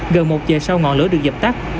gần một giờ sau ngọn lửa được dập tắt